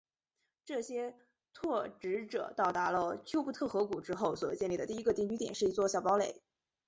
这些拓殖者到达了丘布特河谷之后所建立的第一个定居点是一座小堡垒。